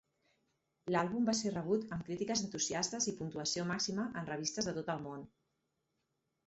L'àlbum va ser rebut amb crítiques entusiastes i puntuació màxima en revistes de tot el món.